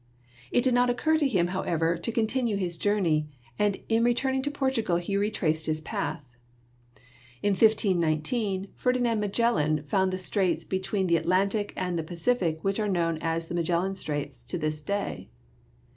It did not occur to him, however, to continue his journey, and in returning to Portugal he retraced his path. In 1 5 19 Ferdinand Magellan found the straits be tween the Atlantic and the Pacific which are known as the Magellan Straits to this day.